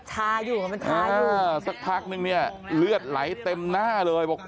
ชาอยู่ใช่สักพักนึงเนี่ยเลือดไหลเต็มหน้าเลย